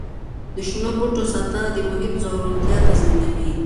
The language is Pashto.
د شنو بوټو ساتنه د محیط زرغونتیا تضمینوي.